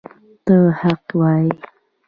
تل حق وایه